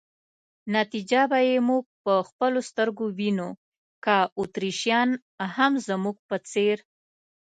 نتیجه به یې موږ په خپلو سترګو وینو، که اتریشیان هم زموږ په څېر.